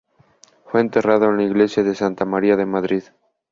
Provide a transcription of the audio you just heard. Fue enterrado en la iglesia de santa María de Madrid.